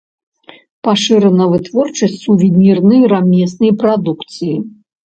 Пашырана вытворчасць сувенірнай рамеснай прадукцыі.